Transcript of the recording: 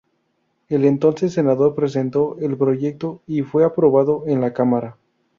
El entonces Senador presentó el Proyecto, y fue aprobado en la Cámara.